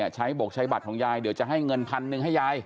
ใช้บกใช้บัตรของยายเดี๋ยวจะให้เงินพันหนึ่งให้ยาย